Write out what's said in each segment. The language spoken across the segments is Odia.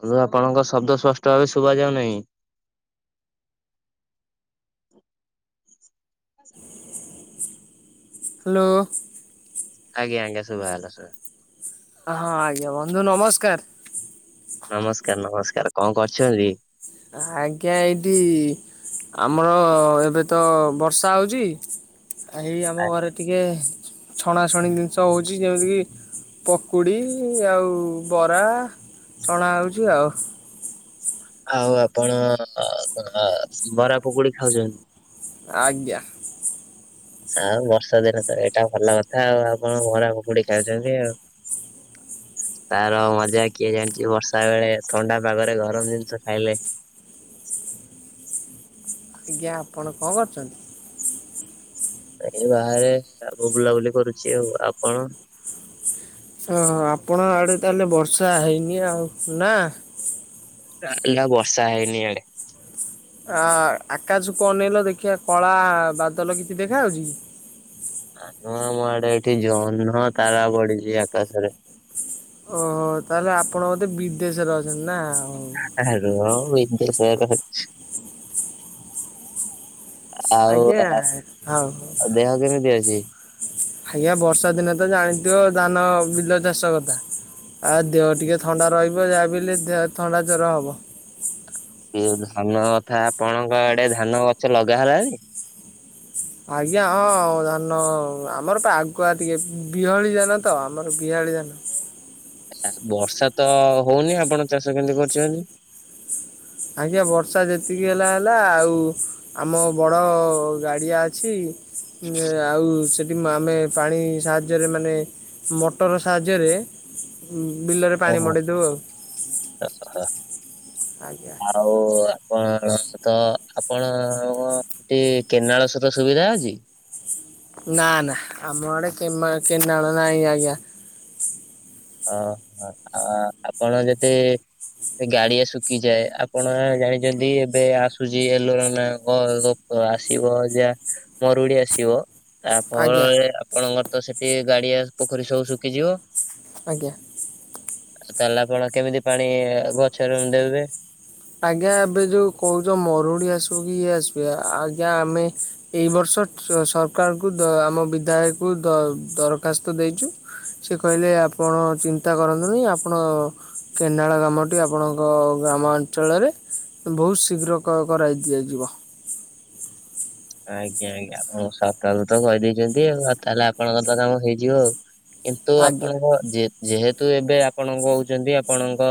ବନ୍ଧୁ ଆପଣଙ୍କ ଶବ୍ଦ ସ୍ପଷ୍ଟ ଭାବେ ଶୁଭା ଯାଉନି। ହ୍ୟାଲୋ। ଆଜ୍ଞା ଆଜ୍ଞା ଶୁଭା ଗଲା ଶୁଭା ଗଲା। ହଁ ହଁ ଆଜ୍ଞା ବନ୍ଧୁ ନମସ୍କାର। ନମସ୍କାର ନମସ୍କାର କଣ କରୁଛନ୍ତି? ଆଜ୍ଞା ଏଇଠି। ଆମର ଏବେ ତ ବର୍ଷା ହଉଛି। ଏଇ ଆମ ଘରେ ଟିକେ ଛଣାଛଣି ଜିନିଷ ହେଉଛି ଯେମିତିକି। ପକୁଡ଼ି ଆଉ ବରା ଛଣା ହେଉଛି ଆଉ। ଆଉ ଆପଣ ଆ ଆ ବରା ପକୁଡି ଖାଉଛନ୍ତି। ଆଜ୍ଞା। ଆଉ ବର୍ଷ ଦିନେ ତ ଏଇଟା ଭଲ କଥା ଆଉ ଆପଣ ବରା ପକୁଡି ଖାଉଛନ୍ତି ଆଉ। ତାର ମଜା କିଏ ଜାଣିଛି ବର୍ଷା ବେଳେ ଥଣ୍ଡା ପାଗରେ ଗରମ ଜିନିଷ ଖାଇଲେ। [unintelligible] ଆଜ୍ଞା ଆପଣ କଣ କରୁଚନ୍ତି। ଏ ବାହାରେ ଆ ବୁଲାବୁଲି କରୁଛି ଆଉ ଆପଣ। ହଁ ଆପଣ ଆଡ଼େ ତାହେଲେ ବର୍ଷା ହେଇନି ଆଉ ନା। ନାଁ ବର୍ଷା ହେଇନି ଆଡେ। ହଁ ଆକାଶକୁ ଅନେଇଲ ଦେଖିବା କଳା ବାଦଲ କିଛି ଦେଖାାଯାଉଛି କି? ନୁଅମ ଆମ ଆଡେ ଏଠି ଜହ୍ନ ତାରା ପଡିଛି ଆକାଶରେ। ଓ ହୋ ତାହେଲେ ଆପଣ ମୋଧେ ବିଦେଶରେ ଅଛନ୍ତି ନା ହଉ। ତୁ ଏମିତି। [unintelligible] ଆଉ ଆଜ୍ଞା ହଉ ହଉ। ଅ ଦେହ କେମିତି ଅଛି? ଆଜ୍ଞା ବର୍ଷା ଦିନେ ତ ଜାଣିଥିବ, ଧାନ ବିଲ ଚାଷ କଥା। ଆଉ ଦେହ ଟିକେ ଥଣ୍ଡା ରହିବ। ଯାହାବି ହେଲେ ଦେହ ଥଣ୍ଡା ଜର ହବ। ଏଇ ଧାନ କଥା! ଆପଣଙ୍କ ଆଡେ ଧାନ ଗଛ ଲଗା ହେଲାଣି? ଆଜ୍ଞା! ହଁ, ଧାନ ଆମର ପା ଆଗୁଆ ଟିକେ ବିହଳି ଧାନ ତ ଆମର ବିହା ଆଳି ଧାନ। ଆ ବର୍ଷା ତ ହଉନି ଆପଣ ଚାଷ କେମିତି କରୁଚନ୍ତି? ଆଜ୍ଞା, ବର୍ଷା ଯେତିକି ହେଲା ହେଲା ଆଉ ଆମ ବଡ଼-ଅ ଗାଡ଼ିଆ ଅଛି। ଆଉ ସେଠି ଆମେ ପାଣି ସାହାଯ୍ୟରେ ମାନେ ମଟର ସାହାଯ୍ୟରେ ବିଲରେ ପାଣି ଓହୋ। ମଡ଼େଇଦଉ ଆଉ। ଆଜ୍ଞା ଆଉ କଣ ତ ଆପଣ କ ଏଠି କେନାଳ ସତ ସୁବିଧା ଅଛି? ନା, ନା ଆମ ଆଡେ କେମା କେନାଳ ନାହିଁ ଆଜ୍ଞା। ଓହୋ! ଆ ଆପଣ ଯେତେ ଏ ଗାଡିଆ ଶୁଖିଯାଏ। ଆପଣ ଜାଣିଛନ୍ତି, ଏବେ ଆସୁଛି ଏଲୋନନା ନା କଗ ଆସିବ ଯା ମରୁଡି ଆସିବ। ଆଜ୍ଞା ତାପରେ ଆପଣଙ୍କର ତ ସେଠି ଗାଡିଆ ପୋଖରୀ ସବୁ ଶୁଖିଯିବ। ଆଜ୍ଞା। ଆ ତାହେଲେ ଆପଣ କେମିତି ପାଣି-ଇ ଗଛରେ ଦେବେ? ଆଜ୍ଞା, ଏବେ ଯୋଉ କହୁଛ ମରୁଡି ଆସୁ କି ଇଏ ଆସିବ ଆଜ୍ଞା, ଆମେ ଏଇ ବର୍ଷ ତ ସରକାରଙ୍କୁ ଦ ଆମ ବିଧାୟକକୁ ଦ-ଦରଖାସ୍ତ ଦେଇଛୁ। ସେ କହିଲେ ଆପଣ ଚିନ୍ତା କରନ୍ତୁନି, ଆପଣ କେନାାଳ ଗ୍ରାମଟି ଆପଣଙ୍କ ଗ୍ରାମ ଅଞ୍ଚଳରେ ବହୁତ ଶୀଘ୍ର କ-କରାଇ ଦିଆଯିବ। ଆଜ୍ଞା ଆଜ୍ଞା, ଆପଣ ସରକାର କୁତ କହିଦେଇଛନ୍ତି ଆଉ, ତାହେଲେ ଆପଣଙ୍କ ତ କାମ ହେଇଯିବ ଆଉ। କିନ୍ତୁ ଆଜ୍ଞା ଆପଣଙ୍କ ଯେ-ଯେହେତ୍ ତୁ ଏବେ ଆପଣ କହୁଛନ୍ତି, ଆପଣଙ୍କ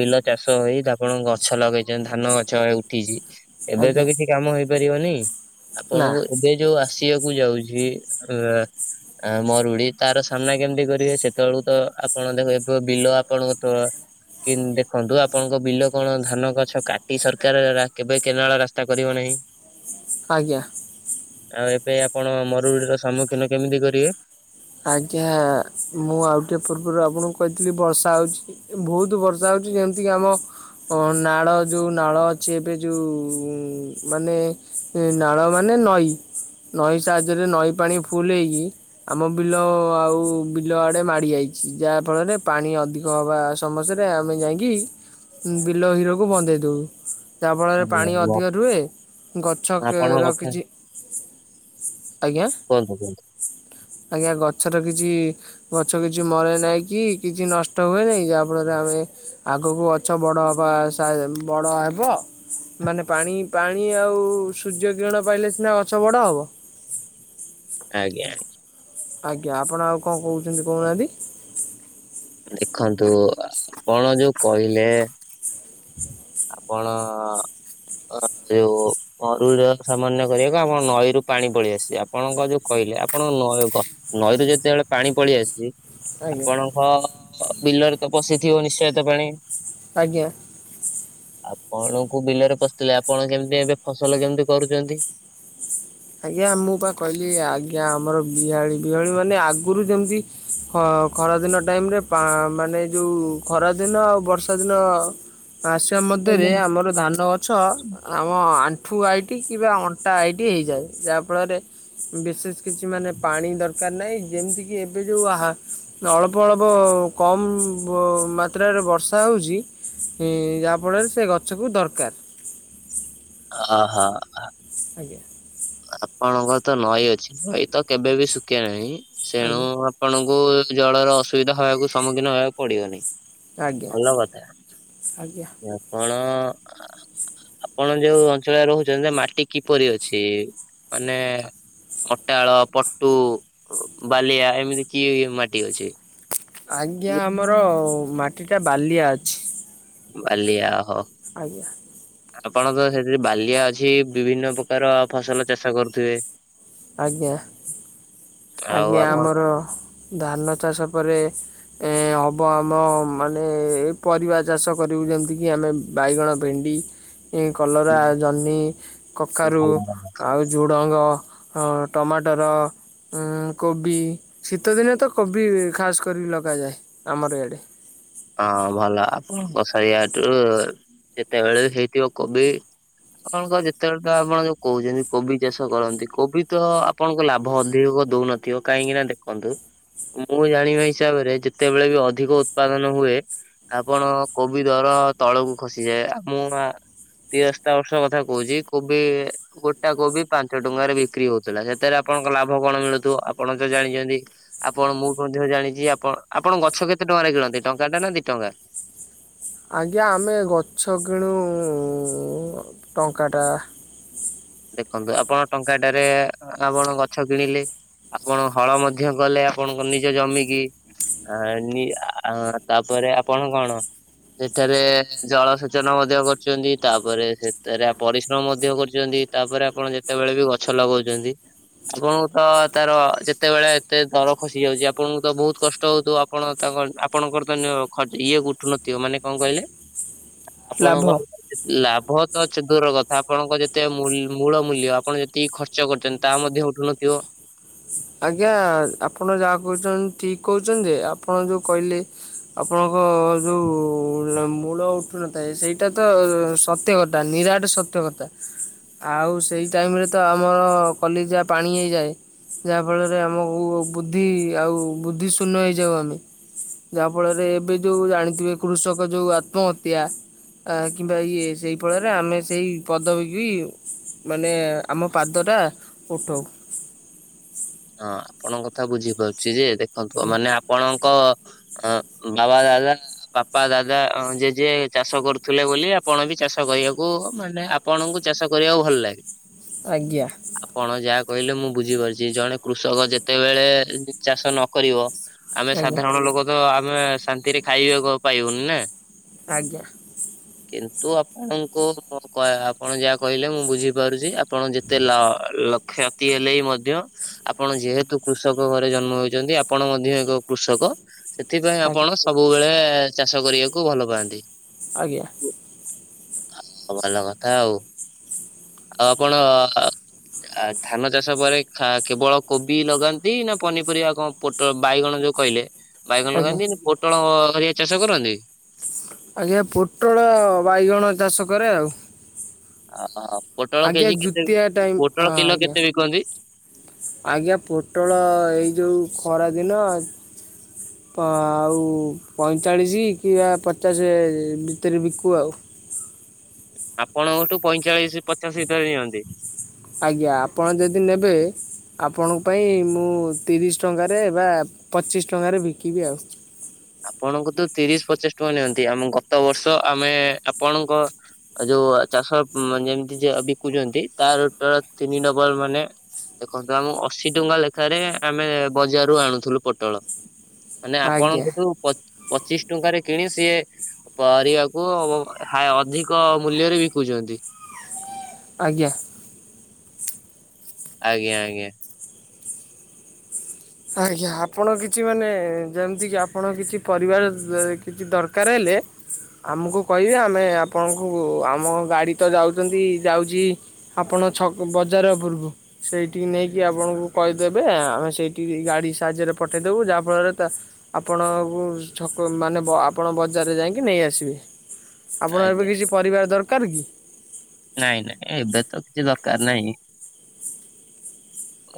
ବିଲ ଚାଷ ହୋଇ ଆପଣ ଗଛ ଲଗେଇଛନ୍ତି। ଧା ନ ଗଛ ଉଠିଛି। ଏବେ ତ ଆଜ୍ଞା କିଛି କାମ ହେଇପାରିବନି। ନା ଆପଣଙ୍କୁ ଏବେ ଯୋଉ ଆସିଆକୁ କୁ ଯାଉଛି ଅ ଆ ମରୁଡି ତାର ସାମ୍ନା କେମିତି କରିବେ। ସେତେବେଳକୁ ତ ଆପଣ ଦେଖ ଏ ବିଲ ଆପଣଙ୍କ ତ କି ଦେଖନ୍ତୁ। ଆପଣଙ୍କ ବିଲ କଣ ଧାନ ଗଛ କାଟି ସରକାର କେବେ କେନାଳ ରାସ୍ତା କରିବ ନାହିଁ। [inaudible] ଆଜ୍ଞା। ଆଉ ଏବେ ଆପଣ ମରୁଡ଼ି ର ସମ୍ମୁଖୀନ କେମିତି କରିଏ? ଆଜ୍ଞା, ମୁଁ ଆଉ ଟିଏ ପୂର୍ବରୁ ଆପଣଙ୍କୁ କହି ଥିଲି ବର୍ଷା ହଉଛି ବହୁତ ବର୍ଷା ହଉଛି, ଯେମିତି କି ଆମ ନାଳ ଯୋଉ ନାଳ ଅଛି ଏବେ ଯୋଉଁ ମାନେ ନାଳ ମାନେ ନଈ ନଈ ସାହାଯ୍ୟରେ ନଈ ପାଣି ଫୁଲ ହେଇକି, ଆମ ବିଲ ଆଉ ବିଲ ଆଡ଼େ ମାଡ଼ି ଆଇଛି ଯାହାଫଳରେ ପାଣି ଅଧିକ ହବା ସମସ୍ୟାରେ ଆମେ ଯାଇିଁକି ବିଲ ହିରକୁ ବନ୍ଦେଇ ଦଉ। ଯାହାଫଳରେ ପାଣି ଅଧିକ ରୁହେ। ଆପଣଙ୍କ ଗଛର କଥା କିଛି ଆଜ୍ଞା କୁହନ୍ତୁ କୁହନ୍ତୁ। ଆଜ୍ଞା, ଗଛର କିଛି ଗଛ କିଛି ମରେ ନାହିଁ କି କିଛି ନଷ୍ଟ ହୁଏ ନାହିଁ। ଯାହାଫଳରେ ଆମେ- ଆଗକୁ ଗଛ ବଡ଼ ହବା ସା ବଡ଼ ହବ। ମାନେ, ପାଣି ପାଣି ଆଉ ସୂର୍ଯ୍ୟ କିରଣ ପାଇଲେ ସିନା ଗଛ ବଡ଼ ହବ। ଆଜ୍ଞା ଆଜ୍ଞା। ଆଜ୍ଞା, ଆପଣ ଆଉ କଣ କହୁଛନ୍ତି କହୁନାହାଁନ୍ତି? ଦେଖନ୍ତୁ, ଆପଣ ଯୋଉ କହିଲେ ଆପଣ ଅ ଯୋଉ ଅରୁଳ ସାମାନ୍ୟ କରିବାକୁ ଆମ ନଈରୁ ପାଣି ପଳିଆସେ ଆପଣଙ୍କ ଯୋଉ କହି ଲେ ଆପଣଙ୍କ ନଈ ଗ ନଈରୁ ଯେତେବେଳେ ପାଣି ପଳି ଆସିଚି ଆଜ୍ଞା ଆପଣଙ୍କ ବିଲରେ ତ ପଶିଥିବ ନିଶ୍ଚୟତ ପାଣି? ଆଜ୍ଞା। ଆପଣଙ୍କୁ ବିଲରେ ପଶିଥିଲେ ଆପଣ କେମିତି ଏବେ ଫସଲ କେମିତି କରୁଚନ୍ତି? ଆଜ୍ଞା ମୁଁ ପା କହିଲି ଆଜ୍ଞା ଆମର ବିହାଳି ବିହାଳି ମାନେ ଆଗରୁ ଯେମତି ହ ଖରାଦିନ ଟାଇମ୍ ରେ ପା ମାନେ ଯଉଁ ଖରାଦିନ ଆଉ ବର୍ଷା ଦିନ ଆସିବା ମଧ୍ୟରେ ଆମର ଧାନ ଗଛ ଆମ ଆଣ୍ଠୁ ହାଇଟ୍ କିମ୍ବା ଅଣ୍ଟା ହାଇଟ୍ ହେଇଯାଏ ଯାହାଫଳରେ ବିଶେଷ କିଛି ମାନେ ପାଣି ଦରକାର ନାହିଁ ଯେମିତି କି ଏବେ ଯୋଉ ଅଳ୍ପ ଅଳ୍ପ କମ୍ ମାତ୍ରାରେ ବର୍ଷା ହଉଚି ହଁ ଯାହା ଫଳରେ ସେ ଗଛକୁ ଦରକାର। ହ ହଁ। ଆଜ୍ଞା। ଆପଣଙ୍କର ତ ନଈ ଅଛି ନଈ ତ କେବେ ବି ଶୁଖେ ନାହିଁ ତେଣୁ ଆଜ୍ଞା ଆପଣଙ୍କୁ ଜଳର ଅସୁବିଧା ହେବାକୁ ସମ୍ମୁଖୀନ ହେବାକୁ ପଡିବନି। ଆଜ୍ଞା ଭଲକଥା ଆଜ୍ଞା। ଆପଣ ଆ - ଆ - ଆପଣ ଯେଉଁ ଅଞ୍ଚଳରେ ରହୁଚନ୍ତି ମାଟି କିପରି ଅଛି? ମାନେ ଅଟାଳ, ପଟୁ, ବାଲିଆ ଏମିତି କିଏ ମାଟି ଅଛି? ଆଜ୍ଞା ଆମର ମାଟି ଟା ବାଲିଆ ଅଛି। ବାଲିଆ ଓହୋ ଆଜ୍ଞା। ଆପଣ ତ ସେଥିରେ ବାଲିଆ ଅଛି, ବିଭିନ୍ନ ପ୍ରକାର ଫସଲ ଚାଷ କରୁଥିବେ? ଆଜ୍ଞା ଆଉ ଆଜ୍ଞା ଆପଣ ଆମର ଧାନ ଚାଷ ପରେ ଏ ହବ ଆମ ମାନେ ପରିବା ଚାଷ କରିବୁ ଯେମିତିକି ଆମେ ବା ଇଗଣ, ଭେଣ୍ଡି ଏ କଲରା, ଜହ୍ନି, କକାରୁ ଆଉ ଝୁଡ଼ଙ୍ଗ ହଁ ଟମାଟର ଉଁ କୋବି ଶୀତଦିନେ ତ କୋବି ଖାସ୍ କରି ଲଗାଯାଏ ଆମର ଇଆଡ଼େ। ହଁ ଭଲ ଆପଣଙ୍କ ସୟାଆଠୁ ରୁ କେତେବେଳେ ହେଇଥିବ କୋବି ଆପଣଙ୍କ ଯେତେବେଳେ ତ ଆପଣ ଯୋଉ କହୁଚନ୍ତି କୋବି ଚାଷ କରନ୍ତି କୋବି ତ ଆପଣଙ୍କ ଲାଭ ଅଧିକ ଦଉନଥିବ। କାହିଁକି ନା ଦେଖନ୍ତୁ ମୁଁ ଜାଣିବା ହିସାବରେ ଯେତେବେଳେ ବି ଅଧିକ ଉତ୍ପାଦନ ହୁଏ ଆପଣ କୋବି ଦର ତଳକୁ ଖସିଯାଏ ଆ ମୁ ଆ ତିରସ୍ତା ବର୍ଷ କଥା କହୁଚି କୋବି ଗୋଟା କୋବି ପାଞ୍ଚ ଟଙ୍କାରେ ବିକ୍ରି ହଉଥିଲା ସେଥିରେ ଆପଣ ଆପଣଙ୍କ ଲାଭ କଣ ମିଳୁଥବ, ଆପଣ ତ ଜାଣିଛନ୍ତି ଆପଣ ମୁଁ ମଧ୍ୟ ଜାଣିଛି ଆପଣ ଆପଣ ଗଛ କେତେଟା କେତେ ଟଙ୍କାର କିଣନ୍ତି ଟଙ୍କାଟେ ନା ଦି ଟଙ୍କା? ଆଜ୍ଞା ଆମେ ଗଛ କିଣୁ ଟଙ୍କାଟା। ଦେଖନ୍ତୁ ଆପଣ ଟଙ୍କାଟାରେ ଆପଣ ଗଛ କିଣିଲେ ଆପଣ ହଳ ମଧ୍ୟ କଲେ ଆପଣଙ୍କ ନିଜ ଜମିିକି ଆ ନି ଆ ତାପରେ ଆପଣ କଣ ସେଠାରେ ଜଳ ସେଚନ ମଧ୍ୟ କରୁଚନ୍ତି, ତାପରେ ସେଠାରେ ପରିଶ୍ରମ ମଧ୍ୟ କରୁଚନ୍ତି। ତାପରେ ଆପଣ ଯେତେବେଳେ ବି ଗଛ ଲଗଉଚନ୍ତି ଆପଣଙ୍କୁ ତ ତାର ଯେତେବେଳେ ଏତେ ଦର ଖସି ଯାଉଚି, ଆପଣଙ୍କୁ ତ ବହୁତ କଷ୍ଟ ହଉଥିବ ଆପଣ ତାକ କୁ ଆପଣଙ୍କର ତ ନିଅ ଖଦ ଇଏ ଉଠୁନଥିବ ମାନେ କଣ କହିଲେ ଆପଣଙ୍କ ଲାଭ ଲାଭ ତ ଅଛି ଦୂର କଥା ଆପଣଙ୍କ ଯେତେ ମୂଲ୍ ମୂଳ ମୂଲ୍ୟ ଆପଣ ଯେତିକି ଖର୍ଚ୍ଚ କରିଚନ୍ତି ତାହା ମଧ୍ୟ ଉଠୁନଥିବ। ଆଜ୍ଞା ଆପଣ ଯାହା କହୁଚନ୍ତି ଠିକ କହୁଚନ୍ତି ଯେ ଆପଣ ଯୋଉ କହିଲେ ଆପଣଙ୍କ ଯୋଉ ଉ ମୂଳ ଉଠୁନଥାଏ ସେଇଟା ତ ସତ୍ୟ କଥା। ନିରାଟ ସତ୍ୟ କଥା। ଆଉ ସେଇ ଟାଇମ ରେ ତ ଆମର କଲି ଯା ପାଣି ହେଇଯାଏ। ଯାହା ଫଳରେ ଆମକୁ ବୁଦ୍ଧି ଆଉ ବୁଦ୍ଧି ଶୂନ୍ୟ ହେଇଯାଉ ଆମେ। ଯାହା ଫଳରେ ଏବେ ଯୋଉ ଜାଣିଥିବେ କୃଷକ ଯୋଉ ଆତ୍ମହତ୍ୟା। ଆ କିମ୍ବା ଇଏ ସେଇ ଫଳରେ ଆମେ ସେଇ ପଦବୀକି ମାନେ ଆମ ପାଦଟା ଉଠଉ। ହଁ ଆପଣଙ୍କ କଥା ବୁଝିପାରୁଚି ଯେ ଦେଖନ୍ତୁ ମାନେ ଆପଣଙ୍କ ଅ ବାବା ଦାଦା ବାପା ଦାଦା ଜେଜେ ଚାଷ କରୁଥିଲେ ବୋଲି ଆପଣ ବି ଚା ଚାଷ କରିବାକୁ ମାନେ ଆପଣଙ୍କୁ ଚାଷ କରିବାକୁ ଭଲ ଲାଗେ। ଆଜ୍ଞା। ଆପଣ ଯାହା କହିଲେ ମୁଁ ବୁଝିପାରୁଚି ଜଣେ କୃଷକ ଯେତେବେଳେ ଚାଷ ନ କରିବ। ଆମେ ଆଜ୍ଞା। ସାଧାରଣ ଲୋକ ତ ଆମେ ଶାନ୍ତିରେ ଖାଇବାକୁ ଆଉ ପାଇବନି ନା। ଆଜ୍ଞା। କିନ୍ତୁ ଆପଣଙ୍କୁ ଆପଣ ଯାହା କହିଲେ ମୁଁ ବୁଝିପାରୁଚି। ଆ ଆପଣ ଯେତେ ଲ ଲକ୍ଷତି ହେଲେ ବି ମଧ୍ୟ ଆପଣ ଯେହେତୁ କୃଷକ ଘରେ ଜନ୍ମ ହେଇଚନ୍ତି। ଆପଣ ମଧ୍ୟ ଏକ କୃଷକ। ସେଥିପାଇଁ ଆଜ୍ଞା ଆପଣ ସବୁବେଳେ ଚାଷ କରିବାକୁ ଭଲ ପାଆନ୍ତି। ଆଜ୍ଞା। ହ ଭଲ କଥା ଆଉ। ଆଉ ଆପଣ ଧାନ ଚାଷ ପରେ କେବଳ କୋବି ଲଗାନ୍ତି ନା ପନିପରିବା କଣ ପୋଟଲ ବାଇଗଣ ଯୋଉ କହିଲେ। ବାଇଗଣ ଆଜ୍ଞା ଲଗାନ୍ତି ପୋଟଳ ହରିକା ଚାଷ କରନ୍ତି। ଆଜ୍ଞା ପୋଟଳ ବାଇଗଣ ଚାଷ କରେ ଆଉ। ଅ ହୋ ପୋଟଳ ଆଜ୍ଞା କେଜି କେତେ? ଜୁତିଆ ଟାଇମ୍ ପୋଟଳ ହଁ କିଲୋ ଆଜ୍ଞା କେତେ ବିକନ୍ତି। ଆଜ୍ଞା ପୋଟଳ ଏଇ ଯୋଉ ଖରାଦିନ ଆଉ ପଇଁଚାଳିଶି କିବା ପଚାଶ ଭିତରେ ବିକୁ ଆଉ। ଆପଣଙ୍କଠୁ ପଇଁଚାଳିଶି ପଚାଶ ଭିତରେ ନିଅନ୍ତି। ଆଜ୍ଞା ଆପଣ ଯଦି ନେବେ? ଆପଣଙ୍କ ପାଇଁ ମୁଁ ତିରିଶ ଟଙ୍କାରେ ବା ପଚିଶ ଟଙ୍କାରେ ବିକିବି ଆଉ। ଆପଣଙ୍କ ତ ତିରିଶ ପଚିଶ ଟଙ୍କା ନିଅନ୍ତି। ଆମ ଗତ ବର୍ଷ ଆମେ ଆପଣଙ୍କ ଯୋଉ ଚାଷ ଯେମତି ଯିଏ ବିକୁଚନ୍ତି। ତାର ତିନି ନବର ମାନେ? ଦେଖନ୍ତୁ ଆମ ଅଶୀ ଟଙ୍କା ଲେଖାରେ ଆମେ ବଜାରୁ ଆଣୁଥିଲୁ ପୋଟଳ। ମାନେ ଆଜ୍ଞା ଆପଣଙ୍କଠୁ ପ ପଚିଶ ଟଙ୍କାରେ କିଣି ସିଏ ପରିବାକୁ ହା ଅଧିକ ମୂଲ୍ୟରେ ବିକୁଚନ୍ତି। ଆଜ୍ଞା। ଆଜ୍ଞା ଆଜ୍ଞା। ଆଜ୍ଞା ଆପଣ କିଛି ମାନେ ଯେମିତି କି ଆପଣ କିଛି ପରିବା କିଛି ଦରକାର ହେଲେ। ଏ ଆମକୁ କହିବେ ଆମେ ଆପଣଙ୍କୁ ଆମ ଗାଡ଼ି ତ ଯାଉଚନ୍ତି ଯାଉଚି। ଆପଣ ଛକ୍ ବଜାର ଉପରକୁ ସେଇଠିକି ନେଇକି ଆପଣଙ୍କୁ କହିଦେବେ। ଆମେ ସେଇ ଏଇ ଗାଡ଼ି ସାହାଯ୍ୟରେ ପଠେଇ ଦେବୁ। ଯାହା ଫଳରେ ଆପଣଙ୍କୁ ଛକ ମାନେ ଆପଣ ବଜା ଜାରେ ଯାଇକି ନେଇଆସିବେ ଆପଣ ଏବେ ଆଜ୍ଞା କିଛି ପରିବା ଦରକାର କି? ନାଇଁ ନାଇଁ ଏବେ ତ କିଛି ଦରକାର ନାହିଁ।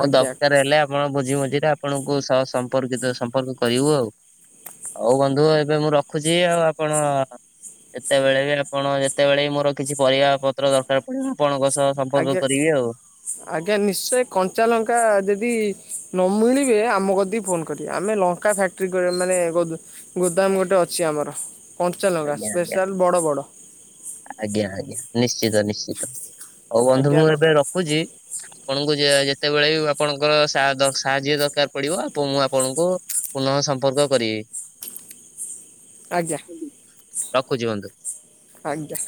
ଓ ଆଜ୍ଞା ଦରକାର ହେଲେ ଆପଣ ବୁଝି ମଝିରେ ଆପଣଙ୍କୁ ସହ ସମ୍ପର୍କିତ ସମ୍ପର୍କ କରିବୁ ଆଉ। ହଉ ବନ୍ଧୁ ଏବେ ମୁଁ ରଖୁଛି ଆଉ ଆପଣ। ଯେତେବେଳେ ଆପଣ ଯେତେବେଳେ ମୋର କିଛି ପରିବା ପତ୍ର ଦରକାର ପଡିବ ଆପଣଙ୍କ ସ ଆଜ୍ଞା ଆଜ୍ଞା ନିଶ୍ଚୟ କଞ୍ଚାଲଙ୍କା ଦେବି। ନ ମିିଳିବେ ଆମ କରିଦକି ଫୋନ କର ଆମେ ଲଙ୍କା ଫ୍ୟାକ୍ଟ୍ରି କ ମାନେ ଗୋ ଗୋଦାମ ଗୋଟେ ଅଛି ଆ ମର କଞ୍ଚା ଲଙ୍କା ଆଜ୍ଞା ଆଜ୍ଞା ସ୍ପେସାଲ ବଡ ବଡ। ଆଜ୍ଞା ଆଜ୍ଞା ନିଶ୍ଚିତ ନିଶ୍ଚିତ ହଉ ବନ୍ଧୁ ମୁଁ ଏବେ ରଖୁଛି ଆପଣଙ୍କୁ ଯେ ଯେ ସେତେବେଳେ ବି ଆପଣଙ୍କର ସା ଦ ସାହାଯ୍ୟ ଦରକାର ପଡିବ ଆ ମୁଁ ଆପଣଙ୍କୁ ପୁନଃ ସମ୍ପର୍କ କରିବି। ଆଜ୍ଞା। ରଖୁଛି ବନ୍ଧୁ। ଆଜ୍ଞ।